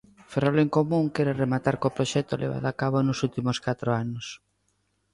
Ferrol en Común quere rematar co proxecto levado a cabo nos últimos catro anos.